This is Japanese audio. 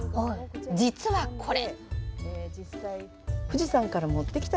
実はこれ。